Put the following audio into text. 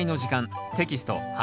テキスト８